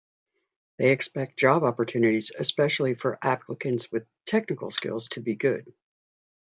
They expect job opportunities, especially for applicants with technical skills, to be good.